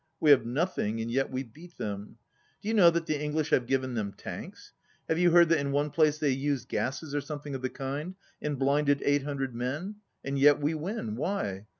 We have nothing, and yet we beat them. Do you know that the English have given them tanks? Have you heard that in one place they used gases or something of the kind, and blinded eight hundred men? And yet we win. Why?